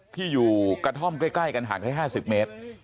ที่อยู่กระท่อมใกล้กันห่างแค่๕๐เมตร